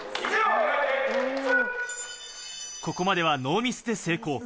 ここまではノーミスで成功。